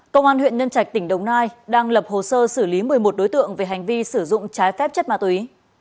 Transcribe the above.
công an huyện nhân trạch tỉnh đồng nai đang lập hồ sơ xử lý một mươi một đối tượng về hành vi sử dụng trái phép chất ma túy